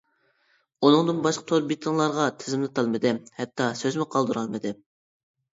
ئۇنىڭدىن باشقا تور بېتىڭلارغا تىزىملىتالمىدىم، ھەتتا سۆزمۇ قالدۇرالمىدىم.